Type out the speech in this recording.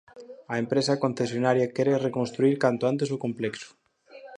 A empresa concesionaria quere reconstruír canto antes o complexo.